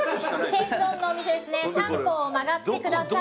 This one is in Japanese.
天丼のお店ですね三幸を曲がってください。